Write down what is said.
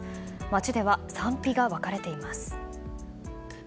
街では賛否が分かれています。